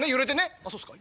あっそうっすか。